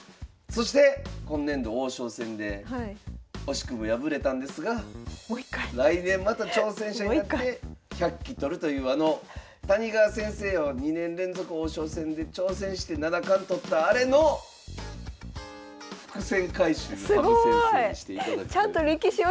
そして今年度王将戦で惜しくも敗れたんですが来年また挑戦者になって１００期取るというあの谷川先生を２年連続王将戦で挑戦して七冠取ったあれの伏線回収を羽生先生にしていただくという。